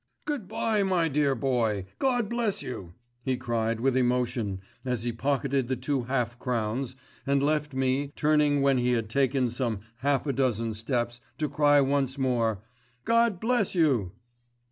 "Good bye, my dear boy, God bless you," he cried with emotion as he pocketed the two half crowns and left me, turning when he had taken some half a dozen steps to cry once more, "God bless you."